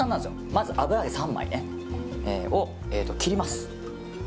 まず油揚げ３枚を切ります。